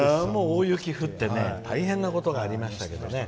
大雪降って大変なことがありましたけどね。